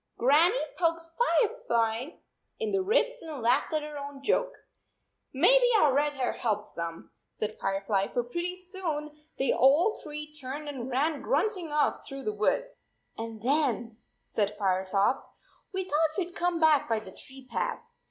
Grannie poked Firefly in the ribs and laughed at her own joke. " Maybe our red hair helped some," said Firefly, "for pretty soon they all three turned and ran grunting off through the woods." 18 "And then," said Firetop, "we thought we d come back by the tree path.